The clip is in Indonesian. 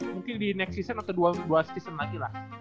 mungkin di next season atau dua season lagi lah